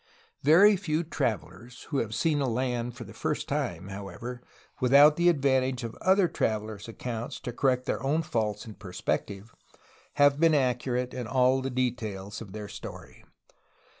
Very few travelers who have seen a land for the first time, how ever, without the advantage of other travelers' accounts to correct their own faults in perspective, have been accurate in all the details of their story.